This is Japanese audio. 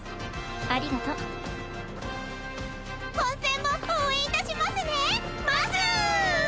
ありがとう本戦も応援いたしますねます！